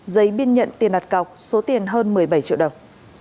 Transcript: giấy biên nhận tiền đặt cọc số tiền hơn một mươi bảy triệu đồng